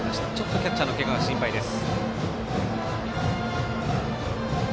キャッチャーのけがは心配です。